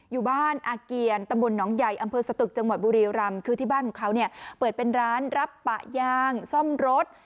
อยู่บ้านอาเกียรตำบลหนองใหญ่อำเภอสตึกจังหวัดบุรีรำคือที่บ้านของเขาเนี่ยเปิดเป็นร้านรับปะยางซ่อมรถ